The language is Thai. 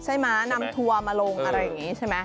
ม้านำทัวร์มาลงอะไรอย่างนี้ใช่ไหม